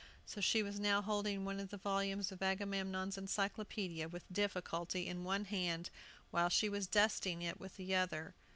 So she was now holding one of the volumes of Agamemnon's Encyclopædia, with difficulty, in one hand, while she was dusting it with the other.